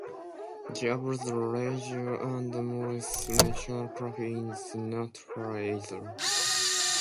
The Abruzzo, Lazio and Molise National Park is not far either.